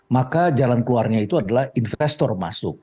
maka jalan keluarnya itu adalah investor masuk